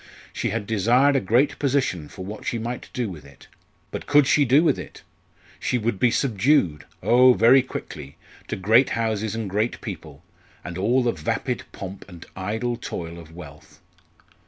She had desired a great position for what she might do with it. But could she do with it! She would be subdued oh! very quickly! to great houses and great people, and all the vapid pomp and idle toil of wealth.